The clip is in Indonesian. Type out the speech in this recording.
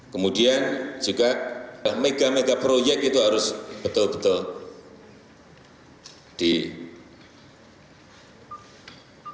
kemudian juga mega mega proyek itu harus betul betul di